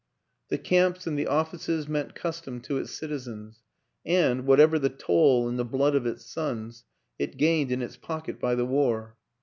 The camps and the of fices meant custom to its citizens, and, whatever the toll in the blood of its sons, it gained in its pocket by the war.